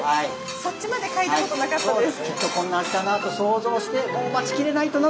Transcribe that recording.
そっちまで嗅いだことなかったです。